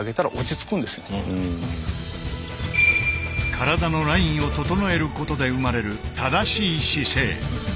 体のラインを整えることで生まれる正しい姿勢。